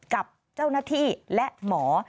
กับเจ้าหน้าที่และหมอ